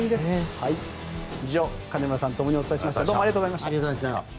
以上、金村さんと共にお伝えしました。